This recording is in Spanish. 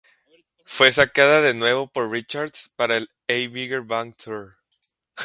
Fue sacada de nuevo por Richards para el "A Bigger Bang Tour".